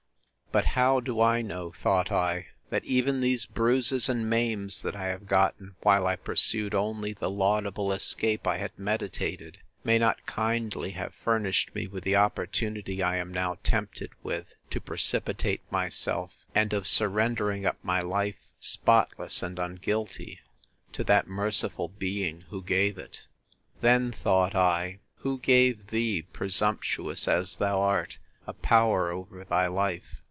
But how do I know, thought I, that even these bruises and maims that I have gotten, while I pursued only the laudable escape I had meditated, may not kindly have furnished me with the opportunity I am now tempted with to precipitate myself, and of surrendering up my life, spotless and unguilty, to that merciful Being who gave it! Then, thought I, who gave thee, presumptuous as thou art, a power over thy life?